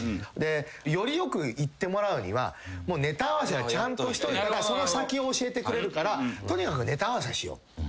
よりよくいってもらうにはもうネタ合わせはちゃんとしといたらその先を教えてくれるからとにかくネタ合わせしよう。